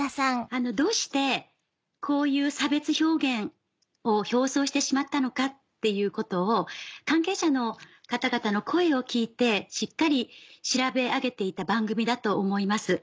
どうしてこういう差別表現を放送してしまったのかっていうことを関係者の方々の声を聞いてしっかり調べ上げていた番組だと思います。